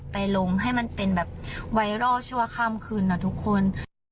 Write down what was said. ลงให้มันเป็นแบบไวรัลชั่วข้ามคืนนะทุกคน